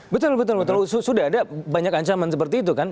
betul betul sudah ada banyak ancaman seperti itu kan